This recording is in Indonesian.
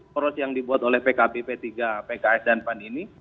poros yang dibuat oleh pkb p tiga pks dan pan ini